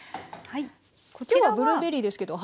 今日はブルーベリーですけど。